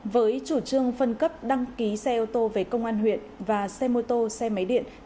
với chủ trương phân cấp đăng ký xe ô tô về công an huyện và xe mô tô xe máy điện